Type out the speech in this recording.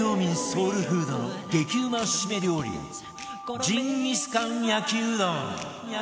ソウルフードの激うまシメ料理ジンギスカン焼きうどん